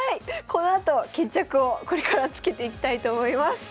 このあと決着をこれからつけていきたいと思います。